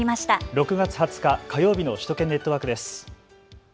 ６月２０日火曜日の首都圏ネットワークです。